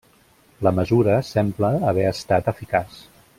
La mesura sembla haver estat eficaç.